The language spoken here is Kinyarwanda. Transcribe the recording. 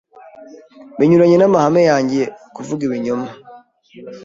Binyuranye n'amahame yanjye kuvuga ibinyoma.